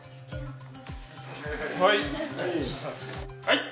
はい。